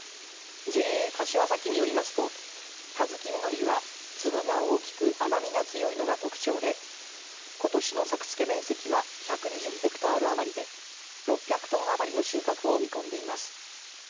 ＪＡ柏崎によりますと葉月みのりは粒が大きく甘みが強いのが特徴でことしの作付け面積は１２０ヘクタール余りで６００トン余りの収穫を見込んでいます。